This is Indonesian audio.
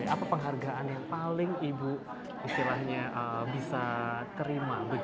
apa penghargaan yang paling ibu istilahnya bisa terima